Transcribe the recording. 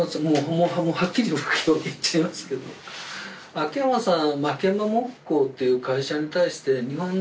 秋山さん。